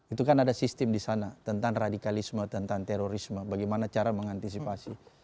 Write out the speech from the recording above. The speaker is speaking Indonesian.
itu kan ada sistem di sana tentang radikalisme tentang terorisme bagaimana cara mengantisipasi